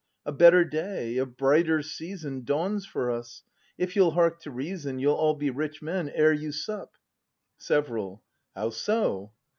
A better day, a brighter season Dawns for us! If you'll hark to reason, You'll all be rich men ere you sup! Several. How so?